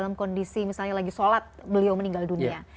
dalam kondisi misalnya lagi sholat beliau meninggal dunia